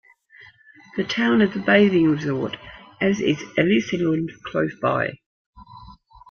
The town is a bathing resort, as is Elisenlund close by.